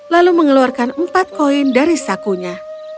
lalu mengeluarkan empat koin dari sakunya